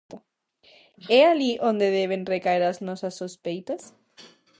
É alí onde deben recaer as nosas sospeitas?